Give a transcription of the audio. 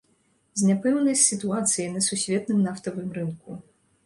З няпэўнай сітуацыяй на сусветным нафтавым рынку.